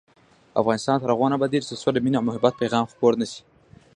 افغانستان تر هغو نه ابادیږي، ترڅو د مینې او محبت پیغام خپور نشي.